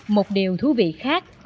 một điều thú vị khác